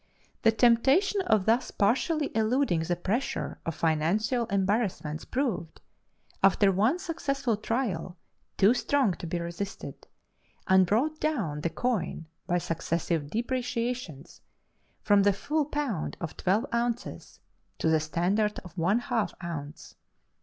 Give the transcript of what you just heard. The temptation of thus partially eluding the pressure of financial embarrassments proved, after one successful trial, too strong to be resisted, and brought down the coin by successive depreciations from the full pound of twelve ounces to the standard of one half ounce.